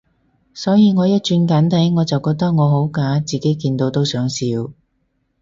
所以我一轉簡體，我就覺得我好假，自己見到都想笑